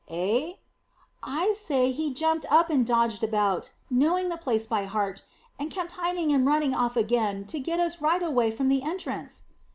"Eh?" "I say he jumped up and dodged about, knowing the place by heart, and kept hiding and running off again, to get us right away from the entrance."